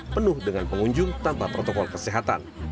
penuh dengan pengunjung tanpa protokol kesehatan